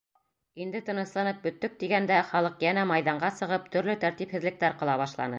Инде тынысланып бөттөк тигәндә, халыҡ йәнә майҙанға сығып, төрлө тәртипһеҙлектәр ҡыла башланы.